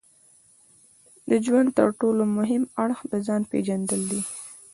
د ژوند ترټولو مهم اړخ د ځان پېژندل دي.